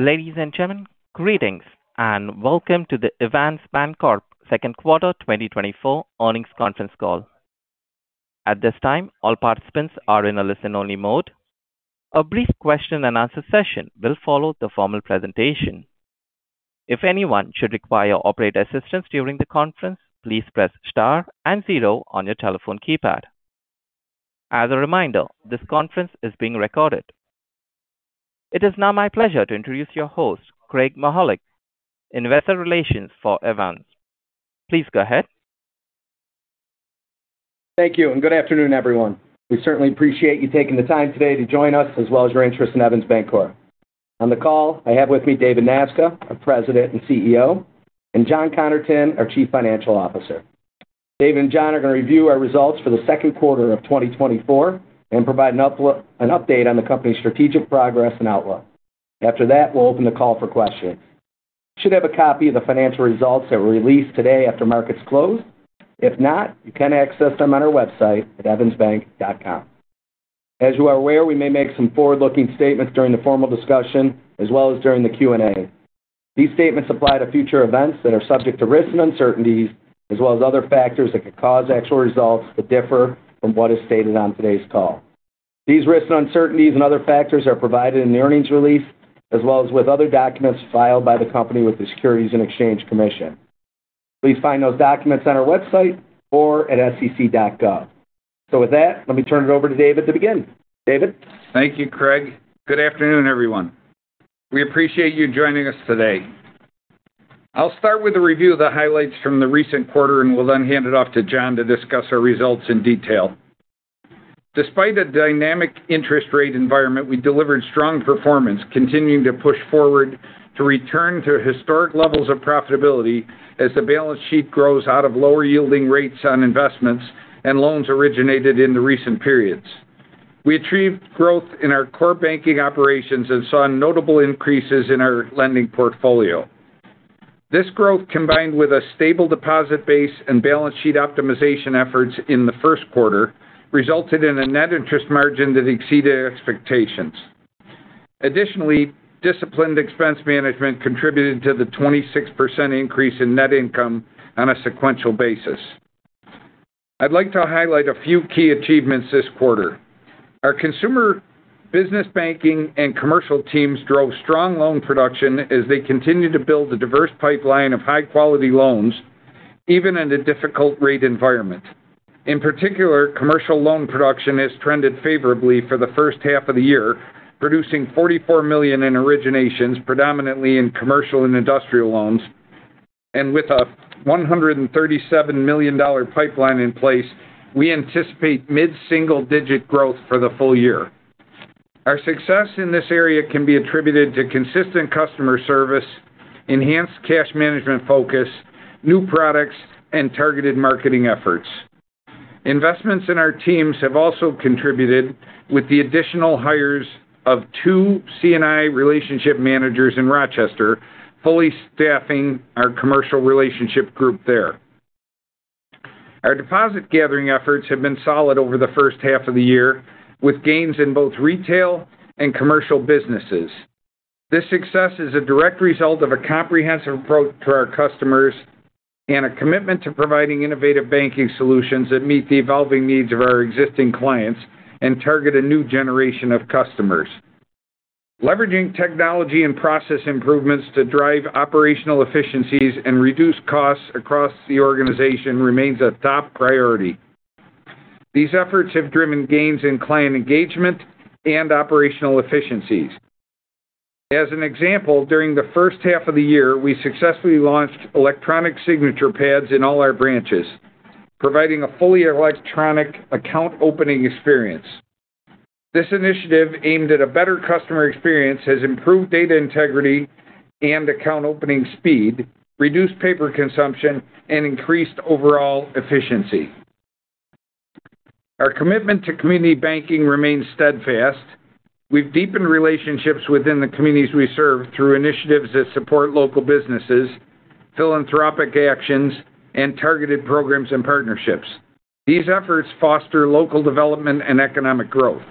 Ladies and gentlemen, greetings, and welcome to the Evans Bancorp second quarter 2024 earnings conference call. At this time, all participants are in a listen-only mode. A brief question-and-answer session will follow the formal presentation. If anyone should require operator assistance during the conference, please press star and zero on your telephone keypad. As a reminder, this conference is being recorded. It is now my pleasure to introduce your host, Craig Mahalik, Investor Relations for Evans. Please go ahead. Thank you, and good afternoon, everyone. We certainly appreciate you taking the time today to join us, as well as your interest in Evans Bancorp. On the call, I have with me David Nasca, our President and CEO, and John Connerton, our Chief Financial Officer. David and John are going to review our results for the second quarter of 2024 and provide an update on the company's strategic progress and outlook. After that, we'll open the call for questions. You should have a copy of the financial results that were released today after markets closed. If not, you can access them on our website at evansbank.com. As you are aware, we may make some forward-looking statements during the formal discussion as well as during the Q&A. These statements apply to future events that are subject to risks and uncertainties, as well as other factors that could cause actual results to differ from what is stated on today's call. These risks and uncertainties and other factors are provided in the earnings release, as well as with other documents filed by the company with the Securities and Exchange Commission. Please find those documents on our website or at sec.gov. So with that, let me turn it over to David to begin. David? Thank you, Craig. Good afternoon, everyone. We appreciate you joining us today. I'll start with a review of the highlights from the recent quarter, and we'll then hand it off to John to discuss our results in detail. Despite a dynamic interest rate environment, we delivered strong performance, continuing to push forward to return to historic levels of profitability as the balance sheet grows out of lower-yielding rates on investments and loans originated in the recent periods. We achieved growth in our core banking operations and saw notable increases in our lending portfolio. This growth, combined with a stable deposit base and balance sheet optimization efforts in the first quarter, resulted in a net interest margin that exceeded expectations. Additionally, disciplined expense management contributed to the 26% increase in net income on a sequential basis. I'd like to highlight a few key achievements this quarter. Our consumer business banking and commercial teams drove strong loan production as they continued to build a diverse pipeline of high-quality loans, even in a difficult rate environment. In particular, commercial loan production has trended favorably for the first half of the year, producing $44 million in originations, predominantly in commercial and industrial loans. And with a $137 million dollar pipeline in place, we anticipate mid-single-digit growth for the full year. Our success in this area can be attributed to consistent customer service, enhanced cash management focus, new products, and targeted marketing efforts. Investments in our teams have also contributed with the additional hires of two C&I relationship managers in Rochester, fully staffing our commercial relationship group there. Our deposit gathering efforts have been solid over the first half of the year, with gains in both retail and commercial businesses. This success is a direct result of a comprehensive approach to our customers and a commitment to providing innovative banking solutions that meet the evolving needs of our existing clients and target a new generation of customers. Leveraging technology and process improvements to drive operational efficiencies and reduce costs across the organization remains a top priority. These efforts have driven gains in client engagement and operational efficiencies. As an example, during the first half of the year, we successfully launched electronic signature pads in all our branches, providing a fully electronic account opening experience. This initiative, aimed at a better customer experience, has improved data integrity and account opening speed, reduced paper consumption, and increased overall efficiency. Our commitment to community banking remains steadfast. We've deepened relationships within the communities we serve through initiatives that support local businesses, philanthropic actions, and targeted programs and partnerships. These efforts foster local development and economic growth.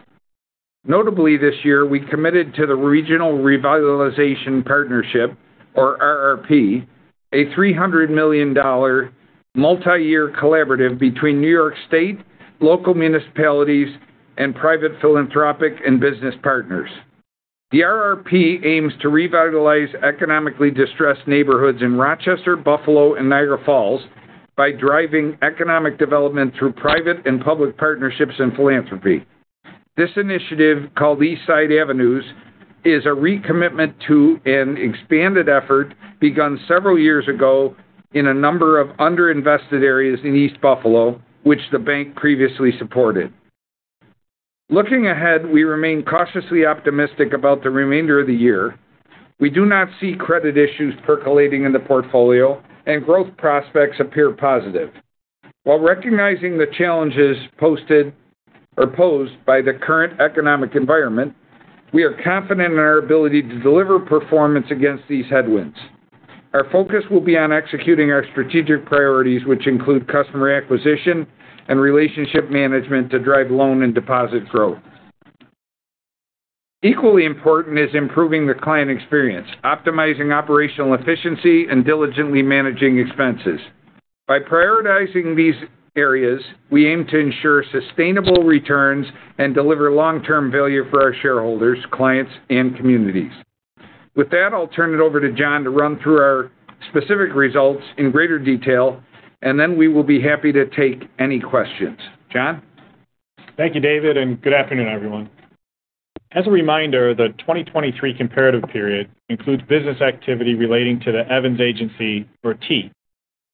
Notably, this year, we committed to the Regional Revitalization Partnership, or RRP, a $300 million multi-year collaborative between New York State, local municipalities, and private philanthropic and business partners. The RRP aims to revitalize economically distressed neighborhoods in Rochester, Buffalo, and Niagara Falls by driving economic development through private and public partnerships and philanthropy. This initiative, called East Side Avenues, is a recommitment to an expanded effort begun several years ago in a number of underinvested areas in East Buffalo, which the bank previously supported. Looking ahead, we remain cautiously optimistic about the remainder of the year. We do not see credit issues percolating in the portfolio, and growth prospects appear positive. While recognizing the challenges posed by the current economic environment, we are confident in our ability to deliver performance against these headwinds.... Our focus will be on executing our strategic priorities, which include customer acquisition and relationship management to drive loan and deposit growth. Equally important is improving the client experience, optimizing operational efficiency, and diligently managing expenses. By prioritizing these areas, we aim to ensure sustainable returns and deliver long-term value for our shareholders, clients, and communities. With that, I'll turn it over to John to run through our specific results in greater detail, and then we will be happy to take any questions. John? Thank you, David, and good afternoon, everyone. As a reminder, the 2023 comparative period includes business activity relating to the Evans Agency, or TEA.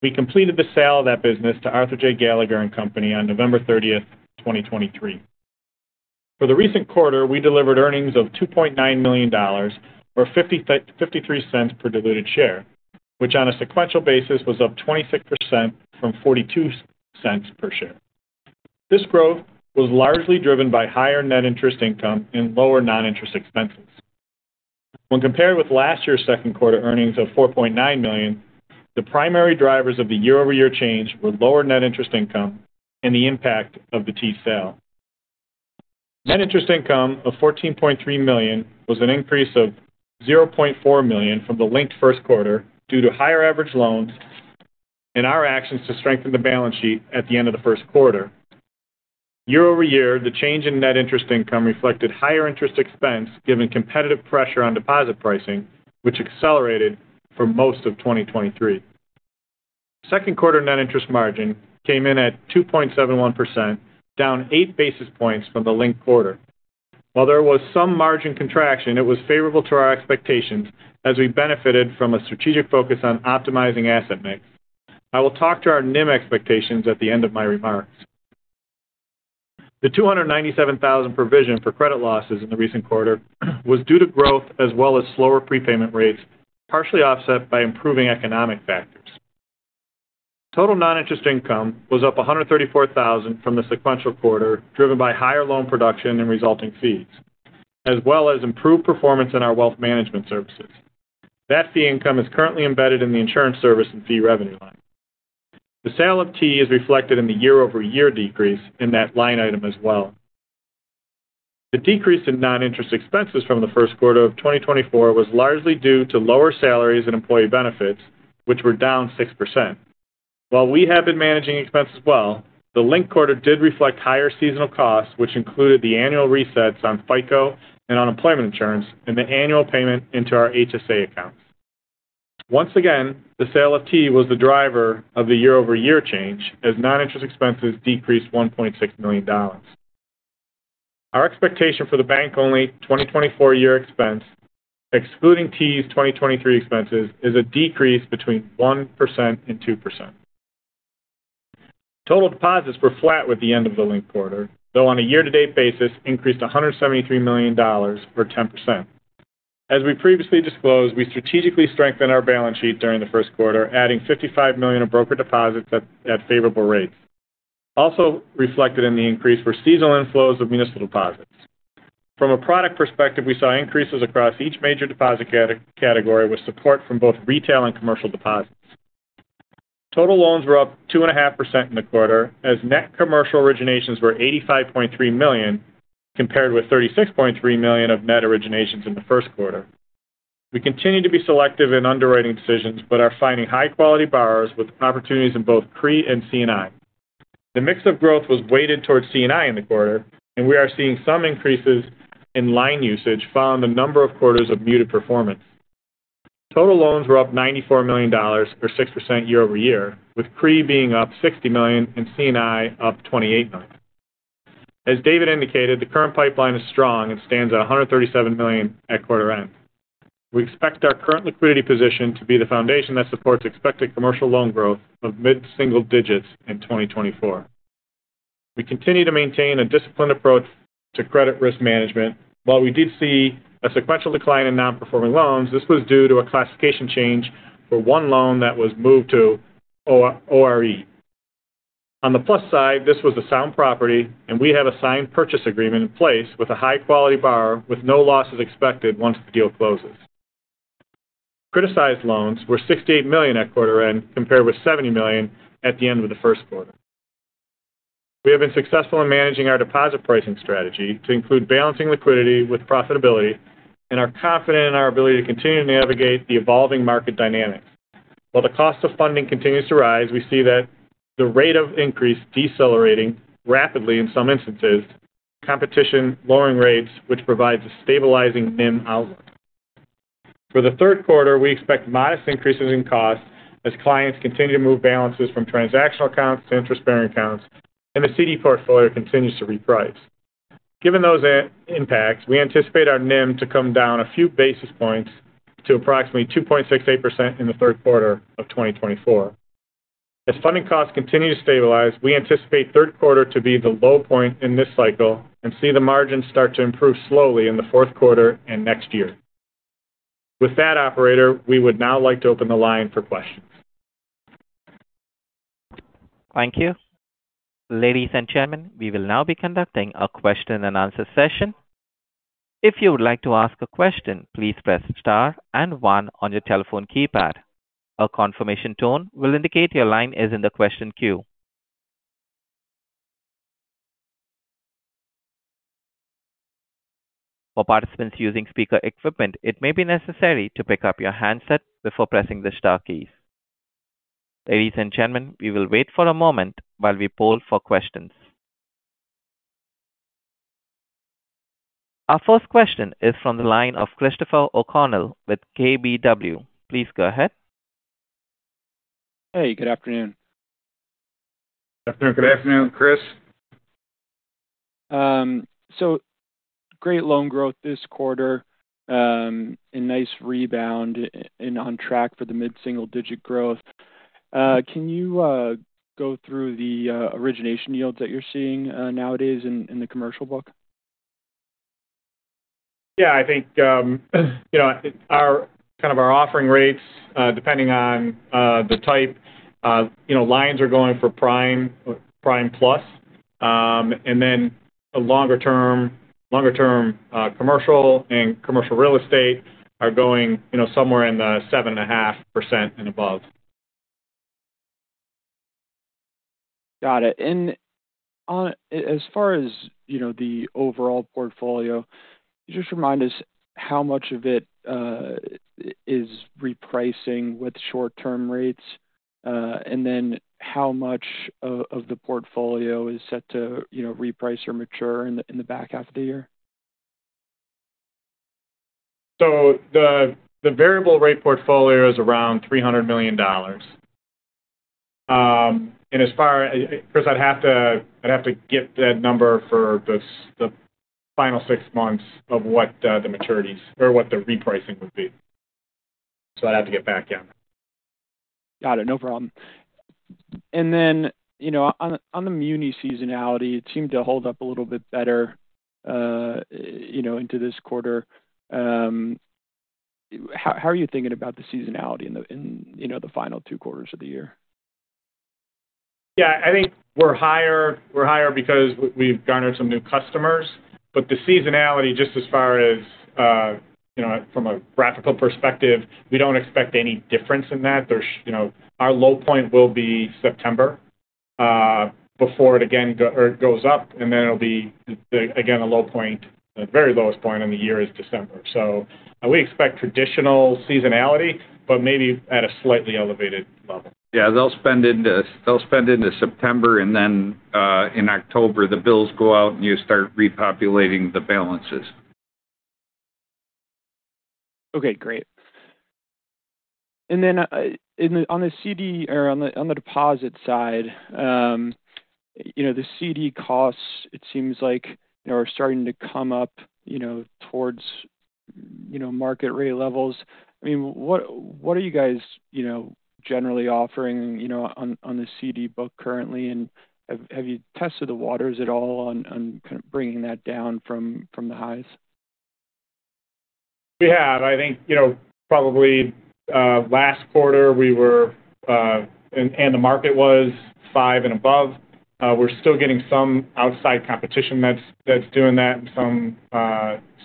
We completed the sale of that business to Arthur J. Gallagher & Co. on November 30, 2023. For the recent quarter, we delivered earnings of $2.9 million, or $0.53 per diluted share, which on a sequential basis, was up 26% from $0.42 per share. This growth was largely driven by higher net interest income and lower non-interest expenses. When compared with last year's second quarter earnings of $4.9 million, the primary drivers of the year-over-year change were lower net interest income and the impact of the TEA sale. Net interest income of $14.3 million was an increase of $0.4 million from the linked first quarter due to higher average loans and our actions to strengthen the balance sheet at the end of the first quarter. Year-over-year, the change in net interest income reflected higher interest expense, given competitive pressure on deposit pricing, which accelerated for most of 2023. Second quarter net interest margin came in at 2.71%, down 8 basis points from the linked quarter. While there was some margin contraction, it was favorable to our expectations as we benefited from a strategic focus on optimizing asset mix. I will talk to our NIM expectations at the end of my remarks. The $297,000 provision for credit losses in the recent quarter was due to growth as well as slower prepayment rates, partially offset by improving economic factors. Total non-interest income was up $134,000 from the sequential quarter, driven by higher loan production and resulting fees, as well as improved performance in our wealth management services. That fee income is currently embedded in the insurance service and fee revenue line. The sale of TEAF is reflected in the year-over-year decrease in that line item as well. The decrease in non-interest expenses from the first quarter of 2024 was largely due to lower salaries and employee benefits, which were down 6%. While we have been managing expenses well, the linked quarter did reflect higher seasonal costs, which included the annual resets on FICA and unemployment insurance and the annual payment into our HSA accounts. Once again, the sale of TEAF was the driver of the year-over-year change, as non-interest expenses decreased $1.6 million. Our expectation for the bank-only 2024 year expense, excluding TEAF's 2023 expenses, is a decrease between 1% and 2%. Total deposits were flat with the end of the linked quarter, though on a year-to-date basis, increased $173 million or 10%. As we previously disclosed, we strategically strengthened our balance sheet during the first quarter, adding $55 million of broker deposits at favorable rates. Also reflected in the increase were seasonal inflows of municipal deposits. From a product perspective, we saw increases across each major deposit category, with support from both retail and commercial deposits. Total loans were up 2.5% in the quarter, as net commercial originations were $85.3 million, compared with $36.3 million of net originations in the first quarter. We continue to be selective in underwriting decisions, but are finding high-quality borrowers with opportunities in both CRE and C&I. The mix of growth was weighted towards C&I in the quarter, and we are seeing some increases in line usage following a number of quarters of muted performance. Total loans were up $94 million, or 6% year-over-year, with CRE being up $60 million and C&I up $28 million. As David indicated, the current pipeline is strong and stands at $137 million at quarter end. We expect our current liquidity position to be the foundation that supports expected commercial loan growth of mid-single digits in 2024. We continue to maintain a disciplined approach to credit risk management. While we did see a sequential decline in non-performing loans, this was due to a classification change for one loan that was moved to ORE. On the plus side, this was a sound property, and we have a signed purchase agreement in place with a high-quality borrower, with no losses expected once the deal closes. Criticized loans were $68 million at quarter end, compared with $70 million at the end of the first quarter. We have been successful in managing our deposit pricing strategy to include balancing liquidity with profitability and are confident in our ability to continue to navigate the evolving market dynamics. While the cost of funding continues to rise, we see that the rate of increase decelerating rapidly in some instances, competition lowering rates, which provides a stabilizing NIM outlook. For the third quarter, we expect modest increases in costs as clients continue to move balances from transactional accounts to interest-bearing accounts, and the CD portfolio continues to reprice. Given those impacts, we anticipate our NIM to come down a few basis points to approximately 2.68% in the third quarter of 2024. As funding costs continue to stabilize, we anticipate third quarter to be the low point in this cycle and see the margins start to improve slowly in the fourth quarter and next year. With that, operator, we would now like to open the line for questions. ...Thank you. Ladies and gentlemen, we will now be conducting a question and answer session. If you would like to ask a question, please press star and one on your telephone keypad. A confirmation tone will indicate your line is in the question queue. For participants using speaker equipment, it may be necessary to pick up your handset before pressing the star keys. Ladies and gentlemen, we will wait for a moment while we poll for questions. Our first question is from the line of Christopher O'Connell with KBW. Please go ahead. Hey, good afternoon. Good afternoon. Good afternoon, Chris. So, great loan growth this quarter, and nice rebound and on track for the mid-single-digit growth. Can you go through the origination yields that you're seeing nowadays in the commercial book? Yeah, I think, you know, our kind of our offering rates, depending on, the type, you know, lines are going for prime, prime plus. And then the longer term, longer term, commercial and commercial real estate are going, you know, somewhere in the 7.5% and above. Got it. And on as far as, you know, the overall portfolio, just remind us how much of it is repricing with short-term rates, and then how much of the portfolio is set to, you know, reprice or mature in the back half of the year? So the variable rate portfolio is around $300 million. And as far... first I'd have to get that number for the final six months of what the maturities or what the repricing would be. So I'd have to get back to you. Got it. No problem. And then, you know, on the muni seasonality, it seemed to hold up a little bit better, you know, into this quarter. How are you thinking about the seasonality in the final two quarters of the year? Yeah, I think we're higher, we're higher because we've garnered some new customers. But the seasonality, just as far as, you know, from a graphical perspective, we don't expect any difference in that. There you know, our low point will be September, before it again, or it goes up, and then it'll be, the, again, a low point, a very lowest point in the year is December. So we expect traditional seasonality, but maybe at a slightly elevated level. Yeah, they'll spend into September, and then, in October, the bills go out, and you start repopulating the balances. Okay, great. And then, in the, on the CD or on the, on the deposit side, you know, the CD costs, it seems like, you know, are starting to come up, you know, towards, you know, market rate levels. I mean, what are you guys, you know, generally offering, you know, on, on the CD book currently? And have you tested the waters at all on, on kind of bringing that down from, from the highs? We have. I think, you know, probably last quarter, we were, and the market was 5 and above. We're still getting some outside competition that's doing that in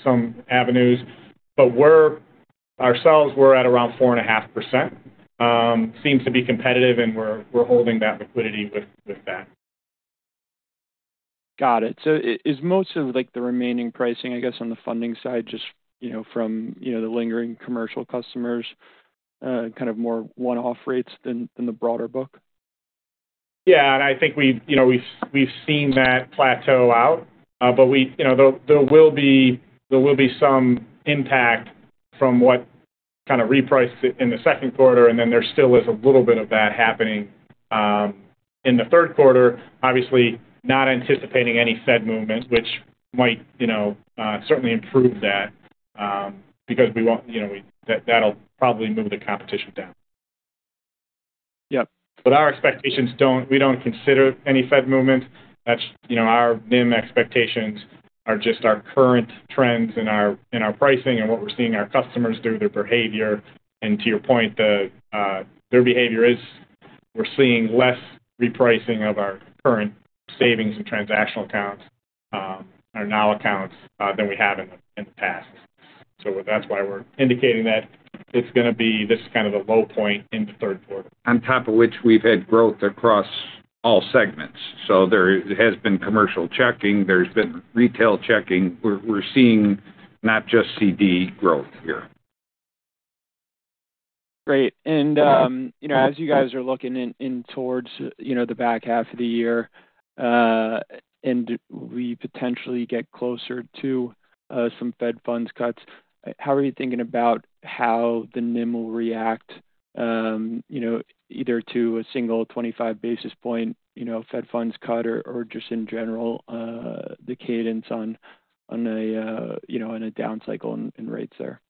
some avenues. But we're ourselves, we're at around 4.5%. Seems to be competitive, and we're holding that liquidity with that. Got it. So is most of, like, the remaining pricing, I guess, on the funding side, just, you know, from, you know, the lingering commercial customers, kind of more one-off rates than the broader book? Yeah, and I think we've, you know, seen that plateau out. But we, you know, there will be some impact from what kind of repriced in the second quarter, and then there still is a little bit of that happening in the third quarter. Obviously, not anticipating any Fed movement, which might, you know, certainly improve that, because we want, you know, that'll probably move the competition down. Yep. But our expectations don't. We don't consider any Fed movement. That's, you know, our NIM expectations are just our current trends and our, and our pricing and what we're seeing our customers do, their behavior. And to your point, their behavior is, we're seeing less repricing of our current savings and transactional accounts, our NOW accounts, than we have in the past. So that's why we're indicating that it's gonna be, this is kind of the low point in the third quarter. On top of which, we've had growth across all segments. So there has been commercial checking, there's been retail checking. We're seeing not just CD growth here. Great. And, you know, as you guys are looking in towards, you know, the back half of the year, and we potentially get closer to, some Fed funds cuts, how are you thinking about how the NIM will react, you know, either to a single 25 basis point, you know, Fed funds cut or just in general, the cadence on, you know, on a down cycle in rates there?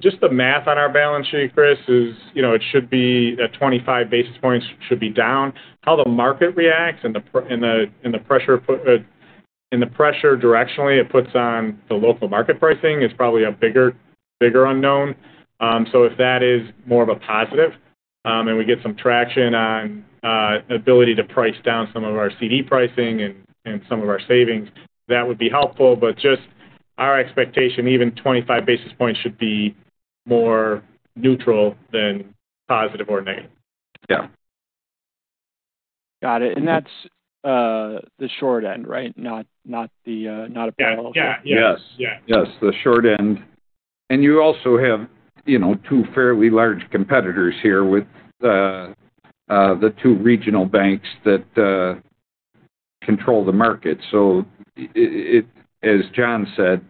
Just the math on our balance sheet, Chris, is, you know, it should be at 25 basis points should be down. How the market reacts and the pressure directionally it puts on the local market pricing is probably a bigger, bigger unknown. So if that is more of a positive, and we get some traction on ability to price down some of our CD pricing and some of our savings, that would be helpful. But just our expectation, even 25 basis points should be more neutral than positive or negative. Yeah. Got it. And that's the short end, right? Not, not the, not a parallel- Yeah. Yeah. Yes. Yeah. Yes, the short end. And you also have, you know, two fairly large competitors here with the two regional banks that control the market. So it, as John said,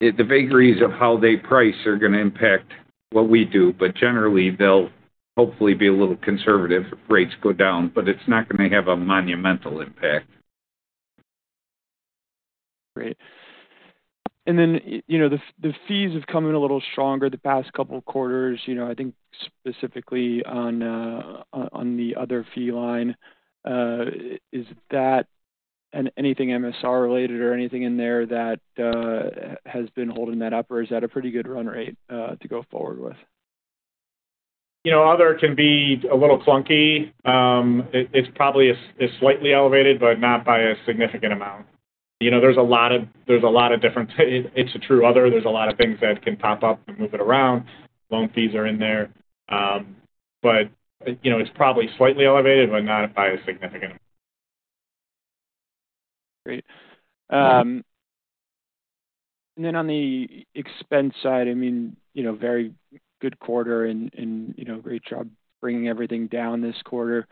it, the vagaries of how they price are gonna impact what we do, but generally, they'll hopefully be a little conservative if rates go down, but it's not gonna have a monumental impact. Great. And then, you know, the fees have come in a little stronger the past couple quarters, you know, I think specifically on the other fee line. Is that anything MSR-related or anything in there that has been holding that up? Or is that a pretty good run rate to go forward with? You know, other can be a little clunky. It’s probably slightly elevated, but not by a significant amount. You know, there’s a lot of different... It’s a true other. There’s a lot of things that can pop up and move it around. Loan fees are in there. But, you know, it’s probably slightly elevated, but not by a significant amount. Great. And then on the expense side, I mean, you know, very good quarter and, you know, great job bringing everything down this quarter.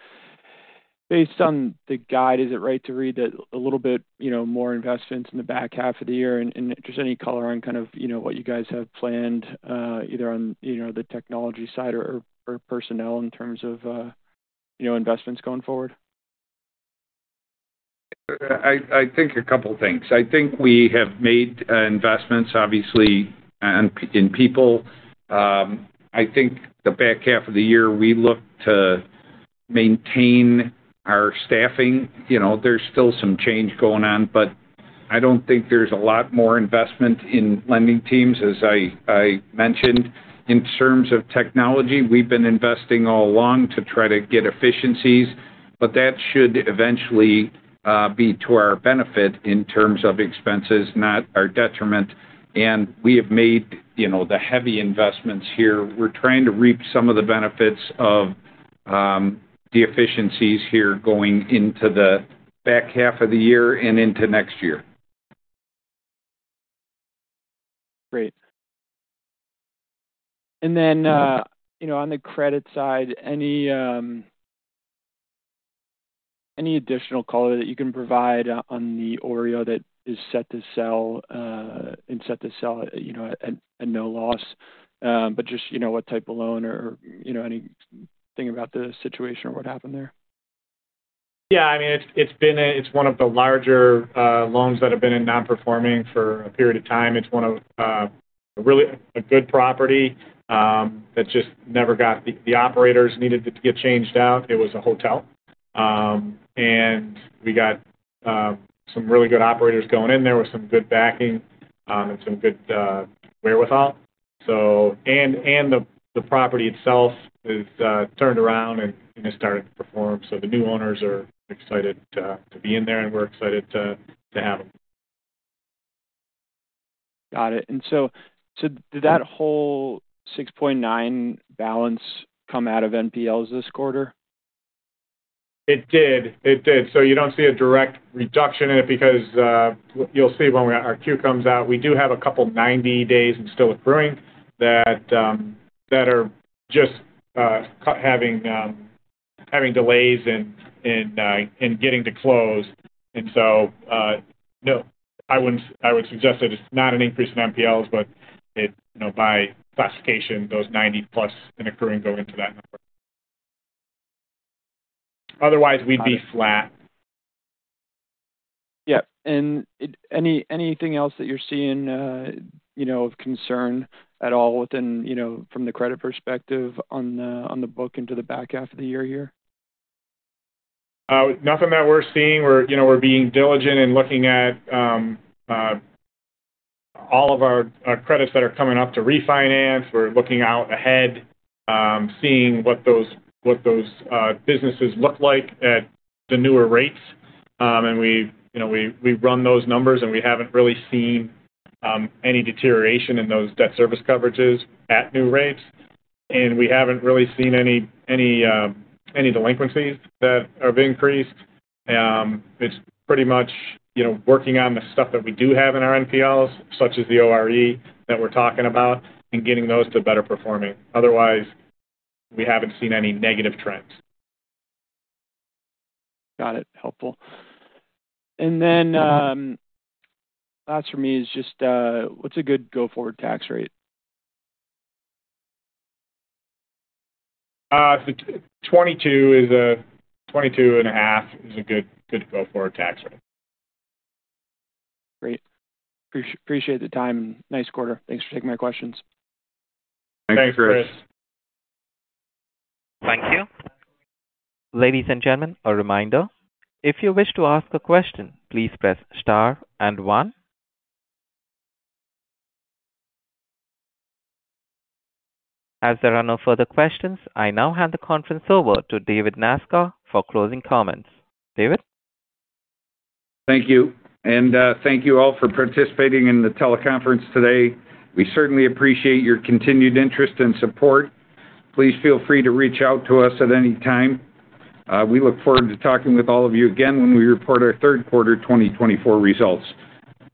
Based on the guide, is it right to read that a little bit, you know, more investments in the back half of the year? And just any color on kind of, you know, what you guys have planned, you know, the technology side or personnel in terms of, you know, investments going forward? I think a couple things. I think we have made investments, obviously, in people. I think the back half of the year, we look to maintain our staffing. You know, there's still some change going on, but I don't think there's a lot more investment in lending teams, as I mentioned. In terms of technology, we've been investing all along to try to get efficiencies, but that should eventually be to our benefit in terms of expenses, not our detriment. And we have made, you know, the heavy investments here. We're trying to reap some of the benefits of the efficiencies here going into the back half of the year and into next year. Great. Then, you know, on the credit side, any additional color that you can provide on the OREO that is set to sell, and set to sell, you know, at no loss? But just, you know, what type of loan or, you know, anything about the situation or what happened there? Yeah, I mean, it's been one of the larger loans that have been in non-performing for a period of time. It's one of a really good property that just never got... The operators needed to get changed out. It was a hotel. And we got some really good operators going in there with some good backing, and some good wherewithal. So... And the property itself is turned around and has started to perform. So the new owners are excited to be in there, and we're excited to have them. Got it. And so, so did that whole $6.9 balance come out of NPLs this quarter? It did. It did. So you don't see a direct reduction in it because you'll see when our Q comes out, we do have a couple 90 days and still accruing that that are just having delays in getting to close. And so, no, I would suggest that it's not an increase in NPLs, but it you know, by classification, those 90-plus in accruing go into that number. Otherwise, we'd be flat. Yeah. And anything else that you're seeing, you know, of concern at all within, you know, from the credit perspective on the book into the back half of the year here? Nothing that we're seeing. We're, you know, we're being diligent in looking at all of our credits that are coming up to refinance. We're looking out ahead, seeing what those businesses look like at the newer rates. And we, you know, we run those numbers, and we haven't really seen any deterioration in those debt service coverages at new rates, and we haven't really seen any delinquencies that have increased. It's pretty much, you know, working on the stuff that we do have in our NPLs, such as the ORE that we're talking about, and getting those to better performing. Otherwise, we haven't seen any negative trends. Got it. Helpful. And then, last for me is just, what's a good go-forward tax rate? 22.5 is a good, good go-forward tax rate. Great. Appreciate the time, and nice quarter. Thanks for taking my questions. Thanks, Chris. Thank you. Ladies and gentlemen, a reminder, if you wish to ask a question, please press star and one. As there are no further questions, I now hand the conference over to David Nasca for closing comments. David? Thank you, and, thank you all for participating in the teleconference today. We certainly appreciate your continued interest and support. Please feel free to reach out to us at any time. We look forward to talking with all of you again when we report our third quarter 2024 results.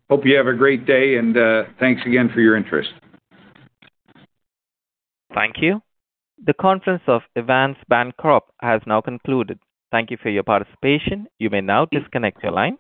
Hope you have a great day, and, thanks again for your interest. Thank you. The conference of Evans Bancorp has now concluded. Thank you for your participation. You may now disconnect your line.